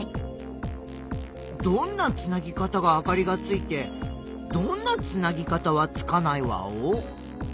どんなつなぎ方があかりがついてどんなつなぎ方はつかないワオ？